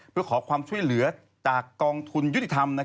เพื่อขอความช่วยเหลือจากกองทุนยุติธรรม